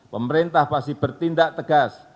pemerintah pasti bertindak tegas